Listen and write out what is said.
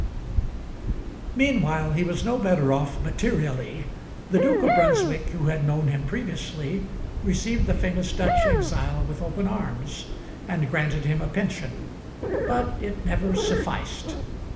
Meanwhile he was no better off materially. The Duke of Brunswick, who had known him previously, received the famous Dutch exile with open arms, and granted him a pension; but it never sufficed.